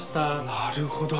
なるほど。